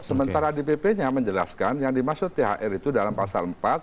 sementara di pp nya menjelaskan yang dimaksud thr itu dalam pasal empat